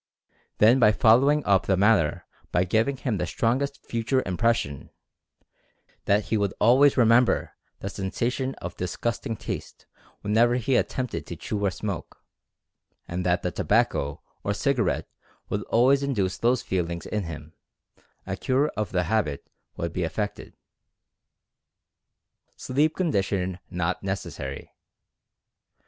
Then by following up the matter by giving him the strongest "future impression" that he would always remember the sensation of disgusting taste whenever he at tempted to chew or smoke, and that the tobacco or cigarette would always induce those feelings in him, a cure of the habit would be effected. n8 Mental Fascination "sleep condition" not necessary.